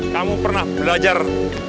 kamu pernah belajar